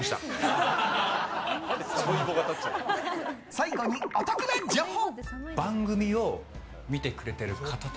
最後にお得な情報！